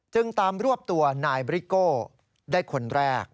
จึงตามรวบตัวนายบริโก้ได้คนแรก